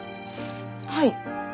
はい。